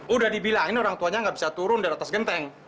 udah dibilangin orang tuanya gak bisa turun dari atas genteng